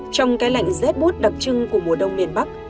trong cái lạnh z boot đặc trưng của mùa đông miền bắc